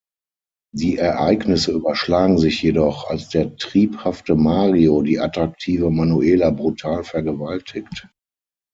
Die Ereignisse überschlagen sich jedoch, als der triebhafte Mario die attraktive Manuela brutal vergewaltigt.